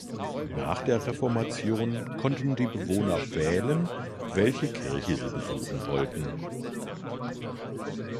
Nach der Reformation konnten die Bewohner wählen, welche Kirche sie besuchen wollten.